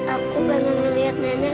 aku pengen melihat nenek